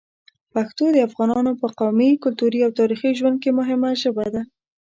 پښتو د افغانانو په قومي، کلتوري او تاریخي ژوند کې مهمه ژبه ده.